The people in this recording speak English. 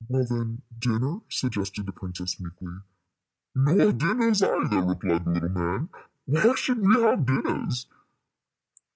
"Well, then, dinner," suggested the princess, meekly. "Nor dinners either," replied the little man. "Why should we have dinners?"